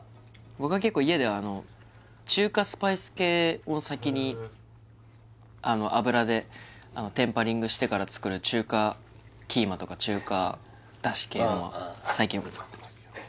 僕は結構先に油でテンパリングしてから作る中華キーマとか中華だし系のは最近よく作ってます